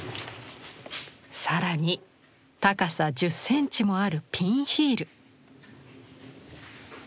更に高さ１０センチもあるピンヒール。